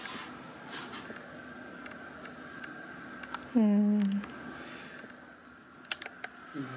うん。